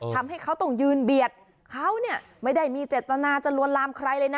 ทำให้เขาต้องยืนเบียดเขาเนี่ยไม่ได้มีเจตนาจะลวนลามใครเลยนะ